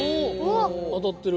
当たってる。